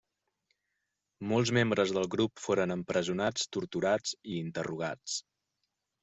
Molts membres del grup foren empresonats, torturats i interrogats.